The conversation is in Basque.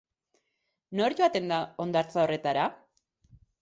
Nor joaten da hondartza horretara?